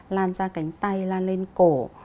lan ra cánh tay lan lên cổ